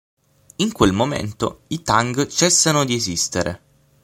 In quel momento i Tang cessano di esistere.